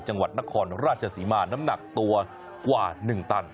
จังหวัดนครราชศรีมาน้ำหนักตัวกว่า๑ตัน